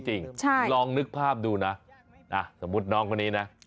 ลองนึกภาพดูนะสมมุติน้องคนนี้นะ